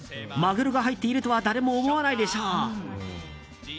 マグロが入っているとは誰も思わないでしょう。